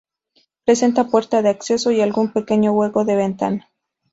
Presenta puerta de acceso y algún pequeño hueco de ventana.